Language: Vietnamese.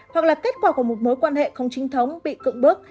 hoặc là kết quả của một mối quan hệ không chính thống bị cưỡng bức